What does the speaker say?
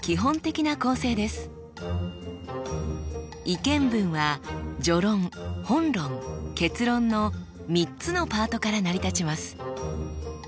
意見文は序論本論結論の３つのパートから成り立ちます。